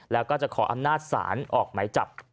แล้วก็จะขออำนาจศาลออกไหมจับ